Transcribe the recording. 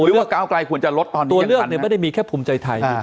เห็นว่ากาวกัยควรจะลดตัวเลือกนึบะได้มีแค่ภูมิใจไทย